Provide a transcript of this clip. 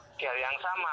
itu gel yang sama